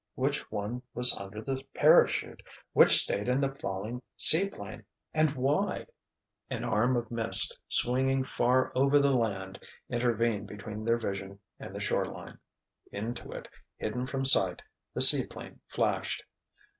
Which one was under the parachute? Which stayed in the falling seaplane—and why? An arm of mist, swinging far over the land, intervened between their vision and the shore line. Into it, hidden from sight, the seaplane flashed.